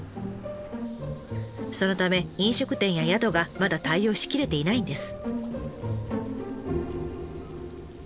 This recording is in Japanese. そのため飲食店や宿がまだ対応しきれていないんです。